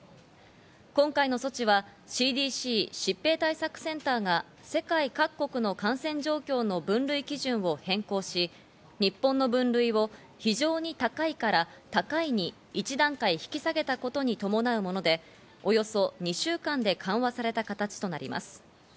今回の措置はＣＤＣ＝疾病対策センターが世界各国の感染状況の分類基準を変更し、日本の分類を、非常に高いから高いに一段階引き下げたことに伴うもので、およそ２週間で緩和された形となります。